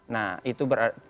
nah itu berarti